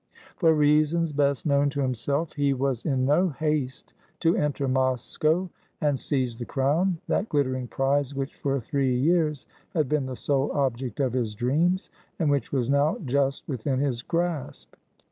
For reasons best known to himself, he was 67 RUSSIA in no haste to enter Moscow and seize the crown, that glittering prize which for three years had been the sole object of his dreams, and which was now just within his grasp.